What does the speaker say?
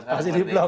masih di blok